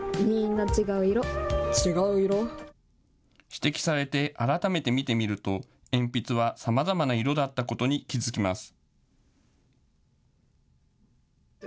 指摘されて改めて見てみると鉛筆はさまざまな色だったことに気付きます。